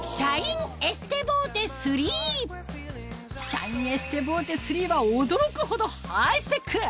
シャインエステボーテ３は驚くほどハイスペック